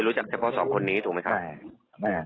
รู้จักเฉพาะสองคนนี้ถูกไหมครับ